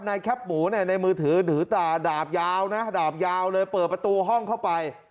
แคปหมูเนี่ยในมือถือถือตาดาบยาวนะดาบยาวเลยเปิดประตูห้องเข้าไป